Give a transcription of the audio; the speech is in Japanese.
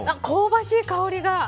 香ばしい香りが。